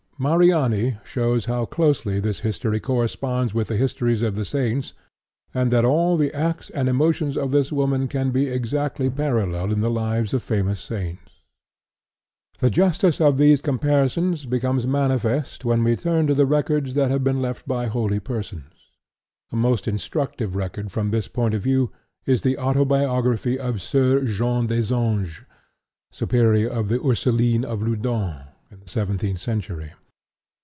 Mariani shows how closely this history corresponds with the histories of the saints, and that all the acts and emotions of this woman can be exactly paralleled in the lives of famous saints. The justice of these comparisons becomes manifest when we turn to the records that have been left by holy persons. A most instructive record from this point of view is the autobiography of Soeur Jeanne des Anges, superior of the Ursulines of Loudun in the seventeenth century.